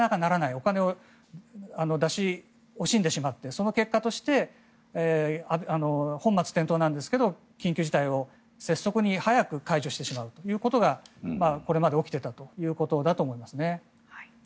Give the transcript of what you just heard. お金を出し惜しんでしまってその結果として本末転倒なんですが緊急事態を拙速に早く解除してしまうということがこれまで起きていたということだと思いますね。